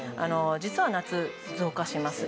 実は夏増加します。